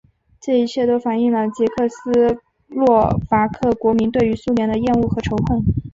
这一切都反映了捷克斯洛伐克国民对于苏联的厌恶和仇恨。